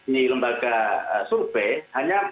di lembaga survei hanya